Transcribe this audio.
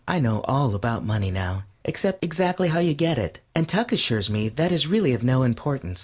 I know all about money now, except exactly how you get it, and Tuck assures me that is really of no importance.